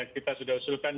kita sudah usulkan